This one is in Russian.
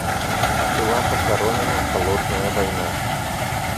Была похоронена "холодная война".